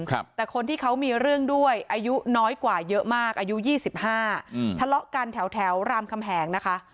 ครับแต่คนที่เขามีเรื่องด้วยอายุน้อยกว่าเยอะมากอายุยี่สิบห้าอืมทะเลาะกันแถวแถวรามคำแหงนะคะ